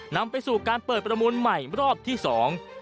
นำไปสู่การเปิดประมูลใหม่รอบที่สอง